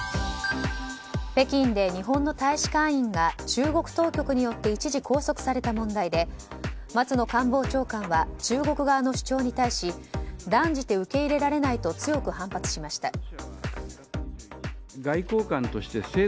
北京で日本の大使館員が中国当局によって一時拘束された問題で松野官房長官は中国側の主張に対し断じて受け入れられないと強く反発しました。